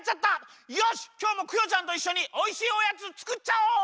よしきょうもクヨちゃんといっしょにおいしいおやつつくっちゃおう！